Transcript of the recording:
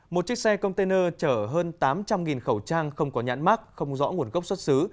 một chiếc xe container chở hơn tám trăm linh khẩu trang không có nhãn mát không rõ nguồn gốc xuất xứ